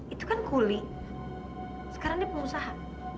itu kan kuli sekarang ini pengusaha